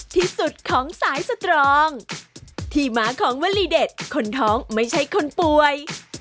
ที่สุดของสายสตรองที่มาของวลีเด็ดคนท้องไม่ใช่คนป่วย